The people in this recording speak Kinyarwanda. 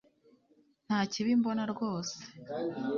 Nta kibi mbona rwose